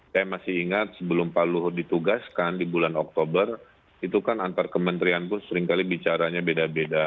saya masih ingat sebelum pak luhut ditugaskan di bulan oktober itu kan antar kementerian pun seringkali bicaranya beda beda